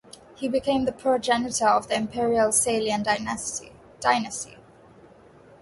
He became the progenitor of the Imperial Salian dynasty.